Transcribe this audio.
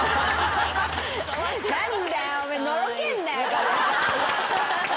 何だよ。